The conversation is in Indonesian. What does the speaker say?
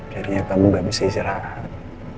jadinya kamu gak bisa istirahat